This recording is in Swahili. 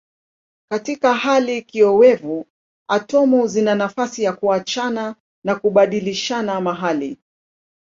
Katika hali kiowevu atomu zina nafasi ya kuachana na kubadilishana mahali.